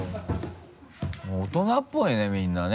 大人っぽいねみんなね。